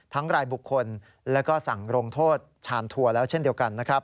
รายบุคคลแล้วก็สั่งลงโทษชานทัวร์แล้วเช่นเดียวกันนะครับ